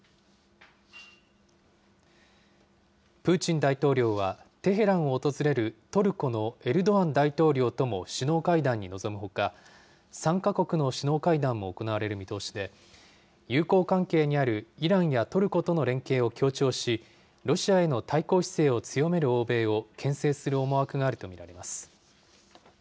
プーチン大統領は、テヘランを訪れるトルコのエルドアン大統領とも首脳会談に臨むほか、３か国の首脳会談も行われる見通しで、友好関係にあるイランやトルコとの連携を強調し、ロシアへの対抗姿勢を強める欧米をけん制する思惑があると見られます。